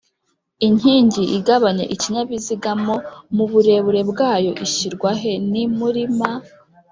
inkingi igabanya ikinyabiziga mo muburebure bwayo ishyirwahe? ni muri m ,